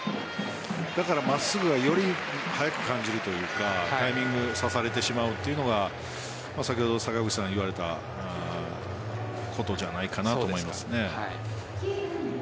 だから真っすぐがより速く感じるというかタイミング差されてしまうというのが先ほど、坂口さんが言われたことじゃないかなと思います。